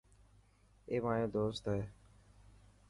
اي مايو دوست هي.